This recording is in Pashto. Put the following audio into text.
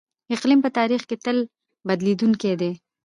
اقلیم په تاریخ کې تل بدلیدونکی دی.